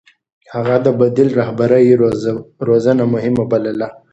هغه د بديل رهبرۍ روزنه مهمه بلله.